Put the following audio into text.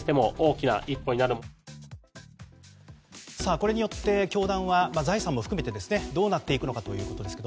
これによって教団は財産も含めてどうなっていくのかということですが。